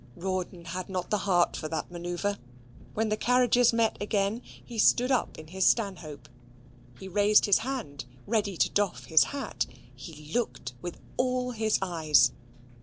Rawdon had not the heart for that manoeuvre. When the carriages met again, he stood up in his stanhope; he raised his hand ready to doff his hat; he looked with all his eyes.